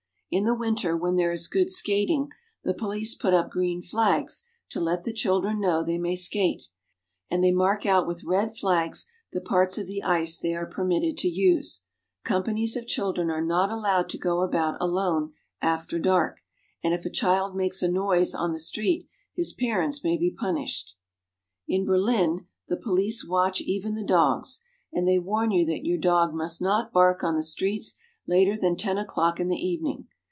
In the winter when there is good skating, the police put. up green flags to let the children know they may skate, and they mark out with red flags the parts of the ice they are permitted to use. Companies of chil dren are not allowed to go about alone after dark, and if a child makes a noise on the street his parents may be punished. In Berlin, the police watch even the dogs, and they warn you that your dog must not bark on the streets later than ten o'clock in the evening.